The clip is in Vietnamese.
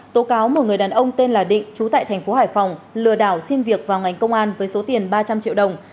tố cáo một người đàn ông tên là định trú tại thành phố hải phòng lừa đảo xin việc vào ngành công an với số tiền ba trăm linh triệu đồng